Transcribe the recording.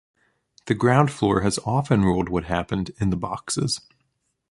The ground floor has often ruled what happened in the boxes.